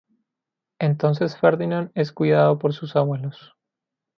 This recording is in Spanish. Entonces Ferdinand es cuidado por sus abuelos.